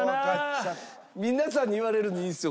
皆さんに言われるのいいんですよ。